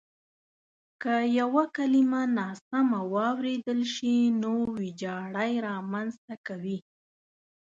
که یوه کلیمه ناسمه واورېدل شي نو وېجاړی رامنځته کوي.